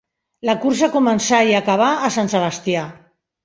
La cursa començà i acabà a Sant Sebastià.